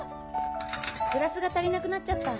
グラスが足りなくなっちゃった。